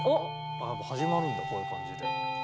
あ何か始まるんだこういう感じで。